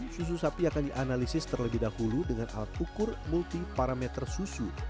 susu sapi akan dianalisis terlebih dahulu dengan alat ukur multi parameter susu